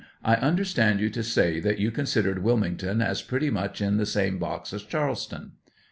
I understood you to say that you considered Wilmington as pretty much in the same box as Charles ton